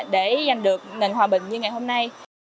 để giành được nền hòa bình như ngày hôm nay